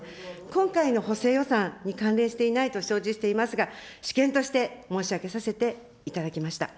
今回の補正予算に関連していないと承知していますが、私見として申し上げさせていただきました。